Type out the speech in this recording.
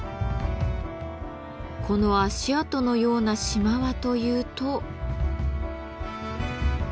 この足跡のような島はというと。